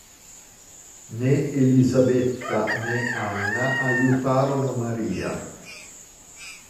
Né Elisabetta né Anna aiutarono Maria.